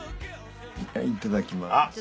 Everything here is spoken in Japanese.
いただきます。